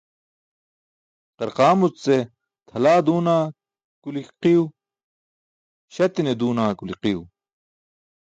Qarqaamuc ce tʰalaa duuna kuli qiiw, śati̇ne duuna kuli qiiw.